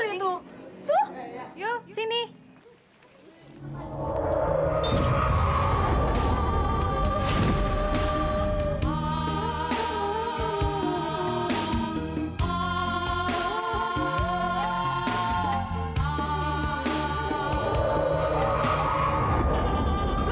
masih mau kenal mameng tahun ideika